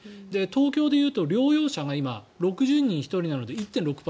東京でいうと療養者が、今６０人に１人なので１．６％。